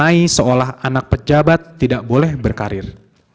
dinai seolah anak pejabat tidak boleh berkarir